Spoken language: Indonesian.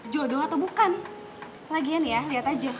jodoh atau bukan lagian ya liat aja